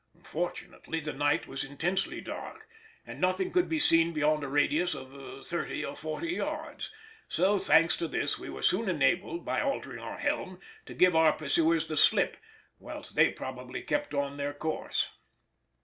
Fortunately the night was intensely dark, and nothing could be seen beyond a radius of thirty or forty yards, so, thanks to this, we were soon enabled, by altering our helm, to give our pursuers the slip, whilst they probably kept on their course.